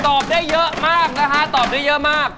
ตอบได้เยอะมากนะฮะตอบได้เยอะมาก